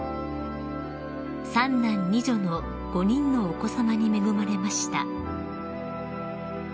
［３男２女の５人のお子さまに恵まれました］